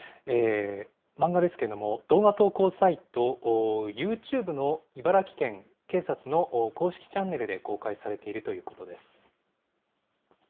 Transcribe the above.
漫画ですけども、動画投稿サイト、ＹｏｕＴｕｂｅの茨城県警察の公式チャンネルで公開されているということです。